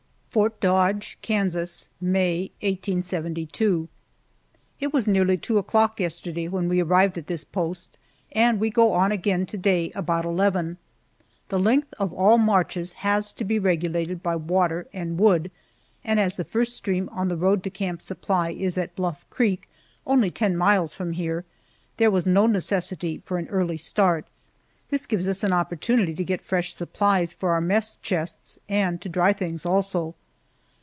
FORT DODGE, KANSAS, May, 1872. IT was nearly two o'clock yesterday when we arrived at this post, and we go on again to day about eleven. The length of all marches has to be regulated by water and wood, and as the first stream on the road to Camp Supply is at Bluff Creek, only ten miles from here, there was no necessity for an early start. This gives us an opportunity to get fresh supplies for our mess chests, and to dry things also.